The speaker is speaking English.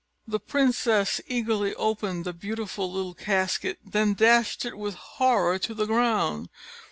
The princess eagerly opened the beautiful little casket, then dashed it with horror to the ground.